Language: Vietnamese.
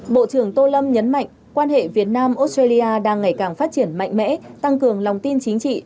bộ trưởng tô lâm nhấn mạnh quan hệ việt nam australia đang ngày càng phát triển mạnh mẽ tăng cường lòng tin chính trị